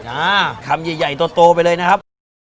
อ่าคำใหญ่โตไปเลยนะครับ